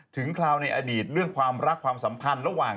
คราวในอดีตเรื่องความรักความสัมพันธ์ระหว่าง